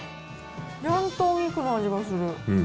ちゃんとお肉の味がする。